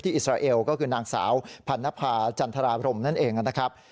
อิสราเอลก็คือนางสาวพันนภาจันทรารมนั่นเองนะครับ